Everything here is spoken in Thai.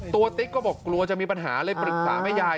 ติ๊กก็บอกกลัวจะมีปัญหาเลยปรึกษาแม่ยาย